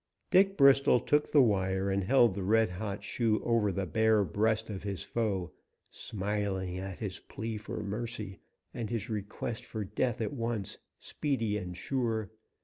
Dick Bristol took the wire and held the red hot shoe over the bare breast of his foe, smiling at his plea for mercy and his request for death at once, speedy and sure.